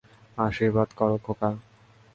আশীর্বাদ করি, খোকা।